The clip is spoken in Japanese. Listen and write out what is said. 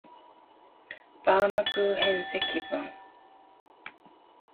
バームクーヘン積分